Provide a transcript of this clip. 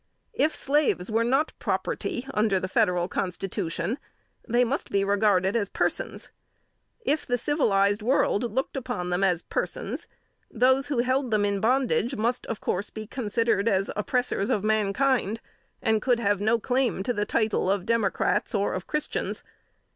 If slaves were not property under the Federal Constitution, they must be regarded as persons. If the civilized world looked upon them as persons, those who held them in bondage must of course be considered as oppressors of mankind, and could have no claim to the title of Democrats or of Christians.